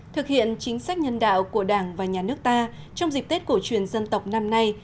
thực hiện chính sách nhân đạo của đảng và nhà nước ta trong dịp tết cổ truyền dân tộc năm nay